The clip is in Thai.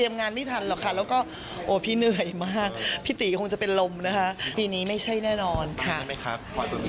ไม่ใช่ไหมครับพอสมมิตรหลุดมาไหมครับ